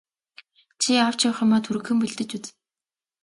Чи авч явах юмаа түргэхэн бэлдэж үз.